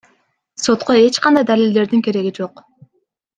Сотко эч кандай далилдердин кереги жок.